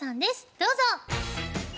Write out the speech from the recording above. どうぞ。